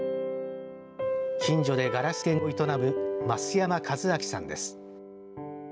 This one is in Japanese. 近所でガラス店を営む増山和晃さんです。